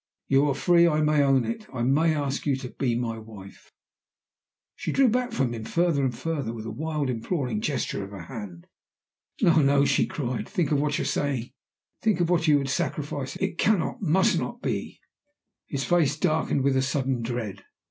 You are free; I may own it; I may ask you to be my wife!" She drew back from him further and further, with a wild imploring gesture of her hand. "No! no!" she cried. "Think of what you are saying! think of what you would sacrifice! It cannot, must not be." His face darkened with a sudden dread.